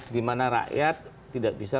dimana rakyat tidak bisa